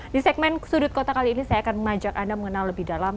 di segmen sudut kota kali ini saya akan mengajak anda mengenal lebih dalam